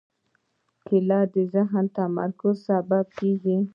کېله د ذهني تمرکز سبب کېږي.